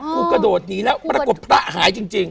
กระโดดหนีแล้วปรากฏพระหายจริง